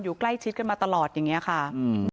อยู่ใกล้ชิดกันมาตลอดอย่างเงี้ยค่ะอืม